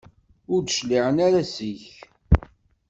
Ur d-cliɛen ara seg-k.